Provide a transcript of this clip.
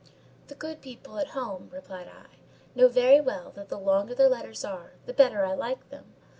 "The good people at home," replied I, "know very well that the longer their letters are, the better I like them.